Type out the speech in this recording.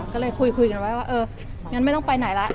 ก็เลยคุยกันไว้ว่าเอองั้นไม่ต้องไปไหนละ